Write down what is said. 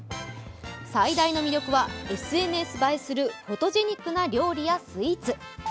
最大の魅力はＳＮＳ映えするフォトジェニックな料理やスイーツ。